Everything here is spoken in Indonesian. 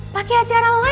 pakai acara live lagi